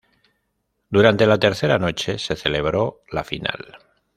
Durante la tercera noche se celebró la final.